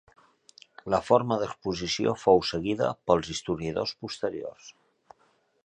La forma d’exposició fou seguida pels historiadors posteriors.